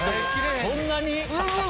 そんなに？